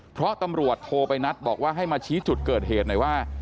เพราะตำรวจโทรไปนัดบอกว่าให้มาชี้จุดเกิดเหตุหน่อยว่า